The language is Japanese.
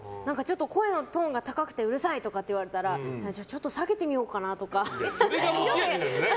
声のトーンが高くてうるさいって言われたらちょっと下げてみようかなとか。